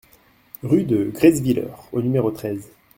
Rue de Gresswiller au numéro treize